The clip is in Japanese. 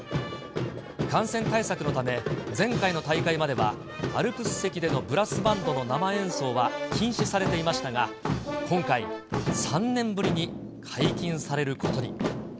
感染対策のため、前回の大会まではアルプス席でのブラスバンドの生演奏は禁止されていましたが、今回、３年ぶりに解禁されることに。